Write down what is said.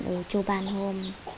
ở chỗ bàn hôm